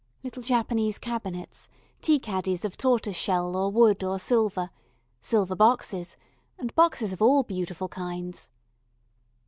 Little Japanese cabinets, tea caddies of tortoiseshell or wood or silver, silver boxes and boxes of all beautiful kinds.